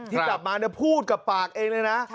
ที่กลับมาพูดกับปากเองเลยนะ